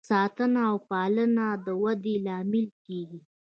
ساتنه او پالنه د ودې لامل کیږي.